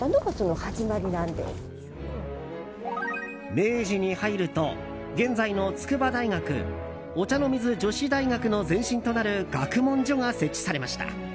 明治に入ると現在の筑波大学お茶の水女子大学の前身となる学問所が設置されました。